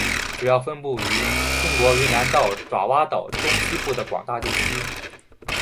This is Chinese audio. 主要分布于中国云南到爪哇岛中西部的广大地区。